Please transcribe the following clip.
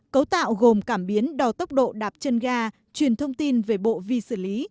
cấu tạo gồm cảm biến đo tốc độ đạp chân ga truyền thông tin về bộ vi xử lý